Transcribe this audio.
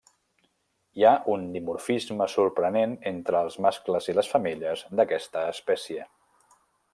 Hi ha un dimorfisme sorprenent entre els mascles i les femelles d'aquesta espècie.